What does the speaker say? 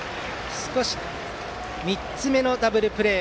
３つ目のダブルプレー。